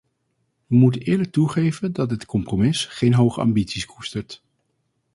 Wij moeten eerlijk toegeven dat dit compromis geen hoge ambities koestert.